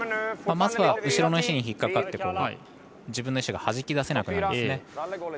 まずは後ろの石に引っ掛かって自分の石がはじき出せなくなるんですね。